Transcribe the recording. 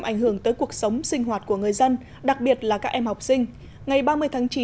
giúp giúp đỡ cuộc sống sinh hoạt của người dân đặc biệt là các em học sinh ngày ba mươi tháng chín